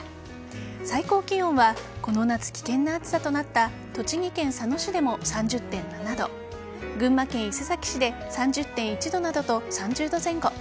最高気温は、この夏危険な暑さとなった栃木県佐野市でも３０．７度群馬県伊勢崎市で３０．１度などと３０度前後。